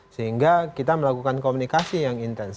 sehingga kita melakukan komunikasi yang intens